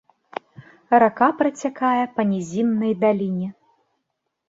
Рака працякае па нізіннай даліне.